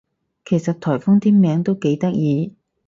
其實颱風啲名都幾得意